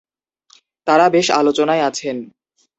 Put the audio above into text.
তারা বেশ আলোচনায় আছেন।